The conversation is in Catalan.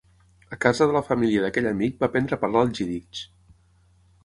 A casa de la família d'aquell amic va aprendre a parlar el jiddisch.